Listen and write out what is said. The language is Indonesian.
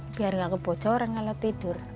biar nggak kebocoran kalau tidur